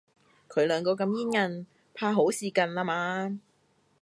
佢兩個咁煙韌，怕好事近啦嗎？